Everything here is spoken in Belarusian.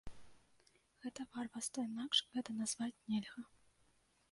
Гэта варварства, інакш гэта назваць нельга!